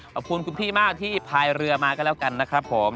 ขอบคุณคุณพี่มากที่พายเรือมาก็แล้วกันนะครับผม